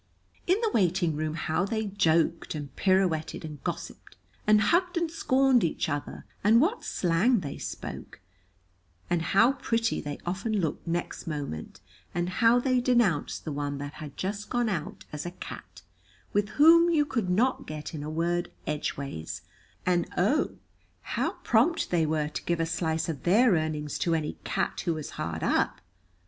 In the waiting room, how they joked and pirouetted and gossiped, and hugged and scorned each other, and what slang they spoke and how pretty they often looked next moment, and how they denounced the one that had just gone out as a cat with whom you could not get in a word edgeways, and oh, how prompt they were to give a slice of their earnings to any "cat" who was hard up!